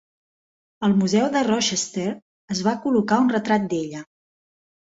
Al museu de Rochester es va col·locar un retrat d'ella.